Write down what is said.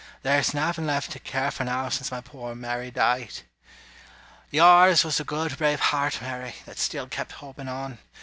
There's nothing left to care for now, Since my poor Mary died. Yours was the good, brave heart, Mary, That still kept hoping on.